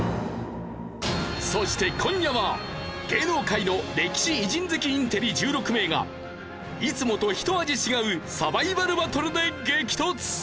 そして今夜は芸能界の歴史・偉人好きインテリ１６名がいつもとひと味違うサバイバルバトルで激突！